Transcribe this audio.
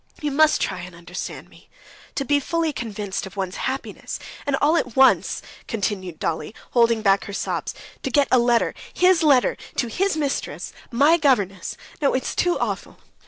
You must try and understand me. To be fully convinced of one's happiness, and all at once...." continued Dolly, holding back her sobs, "to get a letter ... his letter to his mistress, my governess. No, it's too awful!"